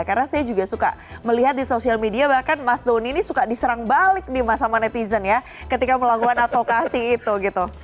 karena saya juga suka melihat di sosial media bahkan mas duni ini suka diserang balik di masa masa netizen ya ketika melakukan advokasi itu gitu